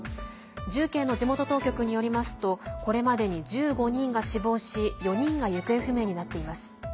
重慶の地元当局によりますとこれまでに１５人が死亡し４人が行方不明になっています。